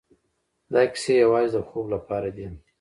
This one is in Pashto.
دا کيسې يوازې د خوب لپاره دي.